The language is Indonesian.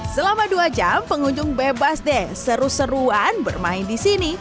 selama dua jam pengunjung bebas deh seru seruan bermain di sini